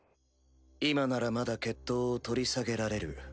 今ならまだ決闘を取り下げられる。